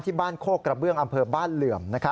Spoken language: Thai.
บ้านโคกกระเบื้องอำเภอบ้านเหลื่อม